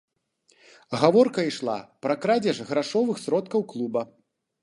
Гаворка ішла пра крадзеж грашовых сродкаў клуба.